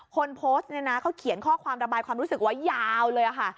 คนโพสต์เนี่ยนะเขาเขียนข้อความระบายความรู้สึกไว้ยาวเลยค่ะ